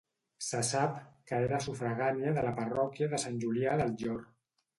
Se sap que era sufragània de la parròquia de Sant Julià del Llor.